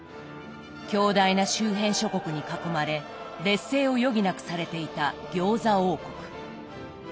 強大な周辺諸国に囲まれ劣勢を余儀なくされていた餃子王国。